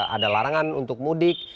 ada larangan untuk mudik